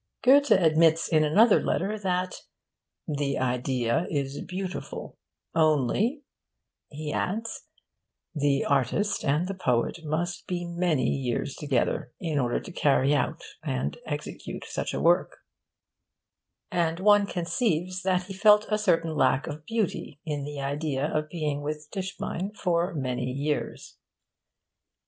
Goethe admits in another letter that 'the idea is beautiful; only,' he adds, 'the artist and the poet must be many years together, in order to carry out and execute such a work'; and one conceives that he felt a certain lack of beauty in the idea of being with Tischbein for many years.